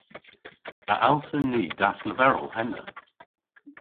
A allsen ni dasleverel henna?